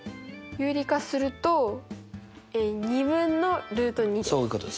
有利化すると２分のルート２です。